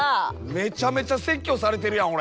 めちゃめちゃ説教されてるやん俺。